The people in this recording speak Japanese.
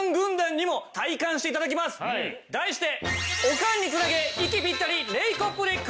題して。